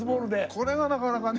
これがなかなかね。